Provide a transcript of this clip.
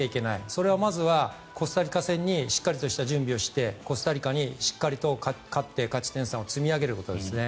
それはまずはコスタリカ戦にしっかりとした準備をしてコスタリカにしっかりと勝って勝ち点３を積み上げることですね。